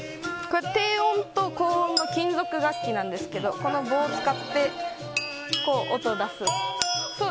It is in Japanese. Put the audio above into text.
低音と高音の金属楽器なんですけどこの棒を使って、音を出す。